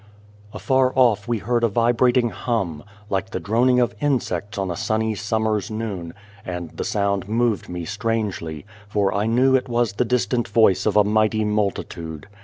Afar off we heard a vibrating hum like the droning of insects on a sunny summer's noon ; and the sound moved me strangely, for I knew it was the distant voice of a mighty multitude.